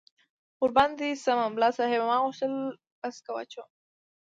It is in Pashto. قربان دې شم، ملا صاحب ما غوښتل پسکه واچوم.